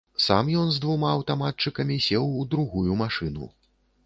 Сам ён з двума аўтаматчыкамі сеў у другую машыну.